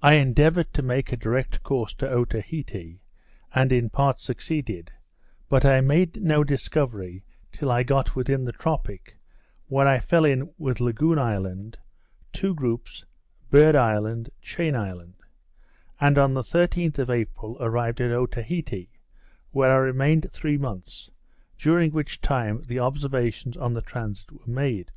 I endeavoured to make a direct course to Otaheite, and in part succeeded; but I made no discovery till I got within the tropic, where I fell in with Lagoon Island, Two Groups, Bird Island, Chain Island; and on the 13th of April arrived at Otaheite, where I remained three months, during which time the observations on the transit were made.